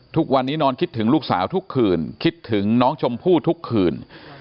ทุกวันนี้นอนคิดถึงลูกสาวทุกคืนคิดถึงน้องชมพู่ทุกคืน